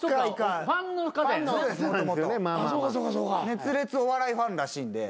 熱烈お笑いファンらしいんで。